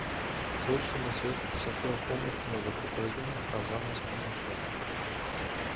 Зашто на светот секоја помош му е добредојдена, а за нас помош нема.